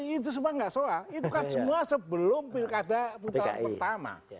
itu semua nggak soal itu kan semua sebelum pilkada putaran pertama